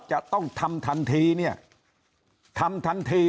จะต้องทำทันทีเนี่ยทำทันที